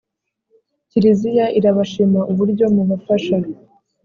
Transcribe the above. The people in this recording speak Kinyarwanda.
kiliziya irabashima uburyo mubafasha